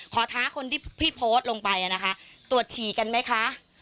ท้าคนที่พี่โพสต์ลงไปนะคะตรวจฉี่กันไหมคะ